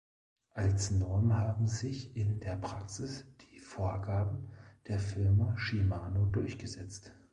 Als Norm haben sich in der Praxis die Vorgaben der Firma Shimano durchgesetzt.